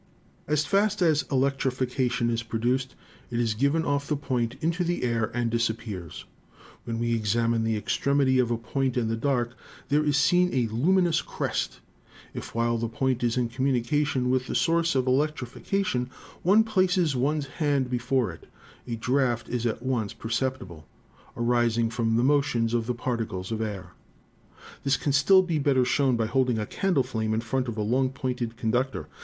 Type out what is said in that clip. As fast as electrification is produced, it is given off the point into the air and disappears. When we examine the extremity of a point in the dark, there is seen a luminous crest. If, while the point is in communication with the source of electrification, one places one's hand before it, a draft ELECTROSTATICS 163 is at once perceptible, arising from the motions of the particles of air. This can be still better shown by holding a candle flame in front of a long pointed conductor.